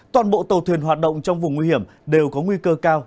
toàn bộ tàu thuyền hoạt động trong vùng nguy hiểm đều có nguy cơ cao